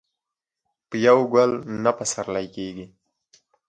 په يوه ګل نه پسرلی کېږي.